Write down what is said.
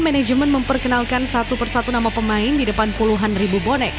manajemen memperkenalkan satu persatu nama pemain di depan puluhan ribu bonek